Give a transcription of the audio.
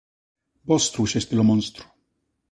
Vós trouxestes o monstro.